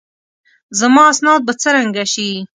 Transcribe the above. زما اسناد به څرنګه شي؟